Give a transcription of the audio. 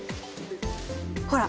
ほら！